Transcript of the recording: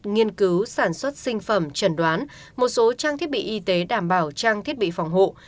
nghiên cứu sản xuất sinh phẩm trần đoán một số trang thiết bị y tế đảm bảo trang thiết bị phòng hộ